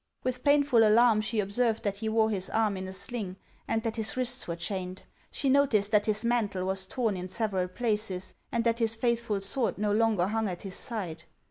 With painful alarm she observed that he wore his arm in a sling, and that his wrists were chained ; she noticed that his mantle was torn in several places, and that his faithful sword no longer hung at his side.